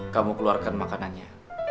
kamu keluarkan makanannya